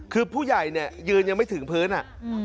คือผู้ใหญ่เนี่ยยืนยังไม่ถึงพื้นอ่ะ